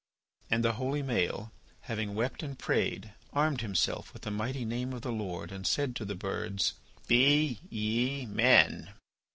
'" And the holy Maël, having wept and prayed, armed himself with the mighty Name of the Lord and said to the birds: "Be ye men!"